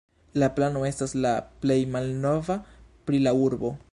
La plano estas la plej malnova pri la urbo.